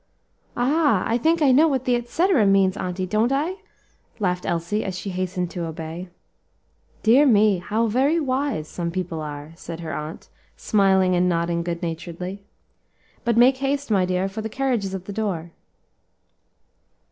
"Ah! I think I know what that et cetera means, auntie, don't I?" laughed Elsie, as she hastened to obey. "Dear me! how very wise some people are," said her aunt, smiling and nodding good naturedly. "But make haste, my dear, for the carriage is at the door."